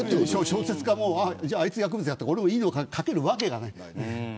小説家もあいつが薬物やってるからって俺もいいのがって書けるわけがない。